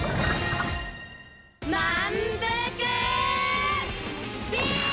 まんぷくビーム！